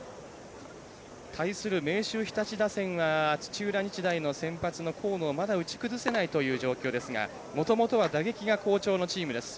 対する明秀日立打線が土浦日大の先発の河野をまだ打ち崩せないという状況ですがもともとは打撃が好調のチームです。